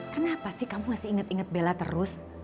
kenapa sih kamu masih inget inget bella terus